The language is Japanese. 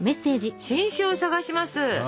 「新種を探します」。